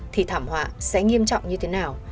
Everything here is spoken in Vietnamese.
thì thảm họa sẽ nghiêm trọng như thế nào